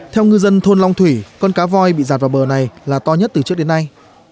theo ngư dân thôn long thủy con cá voi bị giạt vào bờ này là to nhất từ trước đến nay